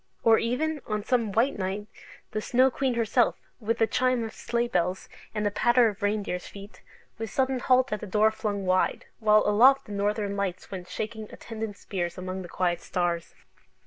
Or even, on some white night, the Snow Queen herself, with a chime of sleigh bells and the patter of reindeers' feet, with sudden halt at the door flung wide, while aloft the Northern Lights went shaking attendant spears among the quiet stars!